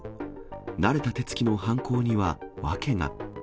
慣れた手つきの犯行には訳が。